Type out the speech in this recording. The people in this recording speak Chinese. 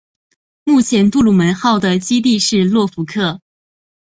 目前杜鲁门号的基地是诺福克。